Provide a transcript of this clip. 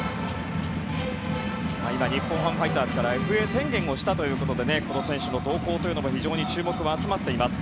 日本ハムファイターズからＦＡ宣言をしたということでこの選手の動向にも非常に注目が集まっています。